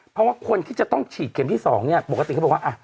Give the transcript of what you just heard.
เพราะว่าคนที่จะต้องฉีดเข็มที่๒เนี่ยปกติเขาบอกว่า